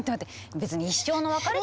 別に一生の別れって。